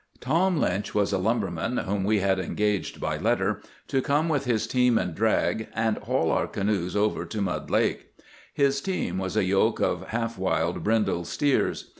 Tom Lynch was a lumberman whom we had engaged by letter to come with his team and drag, and haul our canoes over to Mud Lake. His team was a yoke of half wild brindle steers.